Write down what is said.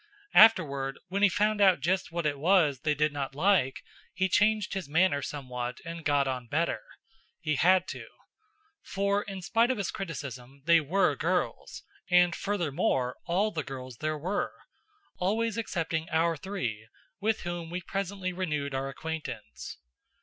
Afterward, when he found out just what it was they did not like, he changed his manner somewhat and got on better. He had to. For, in spite of his criticism, they were girls, and, furthermore, all the girls there were! Always excepting our three! with whom we presently renewed our acquaintance.